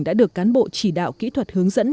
đã được cán bộ chỉ đạo kỹ thuật hướng dẫn